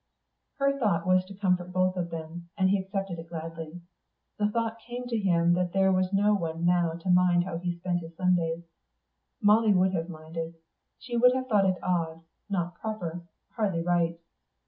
Her thought was to comfort both of them, and he accepted it gladly. The thought came to him that there was no one now to mind how he spent his Sundays. Molly would have minded. She would have thought it odd, not proper, hardly right.